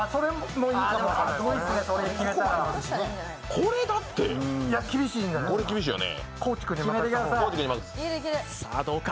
これ、だってこれ厳しいよね。